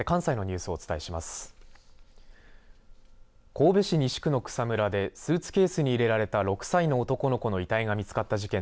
神戸市でスーツケースに入れられた男の子の遺体が見つかった事件